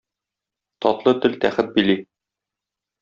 Татлы тел тәхет били.